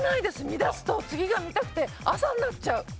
見出すと次が見たくて朝になっちゃう。